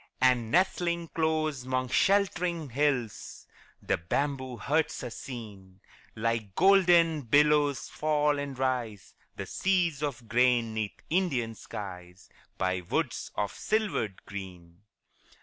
And nestling close 'mong shelt'ring hills The bamboo huts are seen; Like golden billows fall and rise The seas of grain 'neath Indian skies, By woods of silvered green.